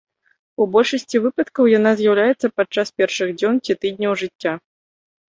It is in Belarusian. У большасці выпадкаў яна з'яўляецца падчас першых дзён ці тыдняў жыцця.